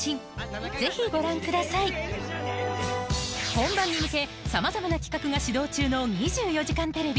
本番に向けさまざまな企画が始動中の『２４時間テレビ』